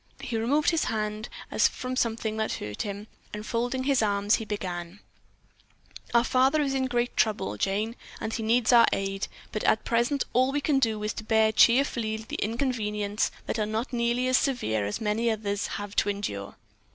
He removed his hand, as from something that hurt him, and folding his arms, he began: "Our father is in great trouble, Jane, and he needs our aid, but at present all we can do is to bear cheerfully the inconveniences that are not nearly as severe as many others have to endure."